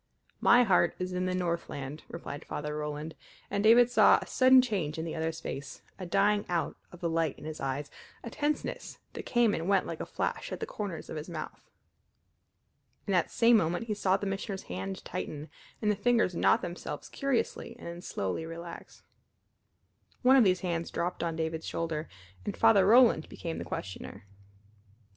"My heart is in the Northland," replied Father Roland, and David saw a sudden change in the other's face, a dying out of the light in his eyes, a tenseness that came and went like a flash at the corners of his mouth. In that same moment he saw the Missioner's hand tighten, and the fingers knot themselves curiously and then slowly relax. One of these hands dropped on David's shoulder, and Father Roland became the questioner.